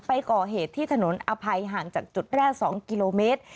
ไปก่อเหตุที่ถนนอภัยห่างจากจุดแรก๒กิโลเมตร